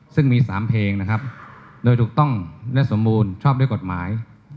ซึ่งมี๓เพลงนะครับโดยถูกต้องและสมบูรณ์ชอบด้วยกฎหมาย